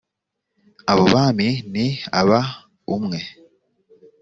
abo bami ni aba umwe